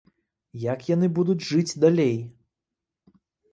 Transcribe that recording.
Як яны будуць жыць далей?